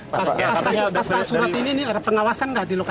pas surat ini ini ada pengawasan nggak di lokasi